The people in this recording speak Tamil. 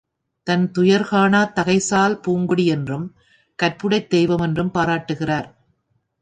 தன்துயர் காணாத் தகைசால் பூங்கொடி என்றும், கற்புடைத் தெய்வம் என்றும் பாராட்டுகிறார்.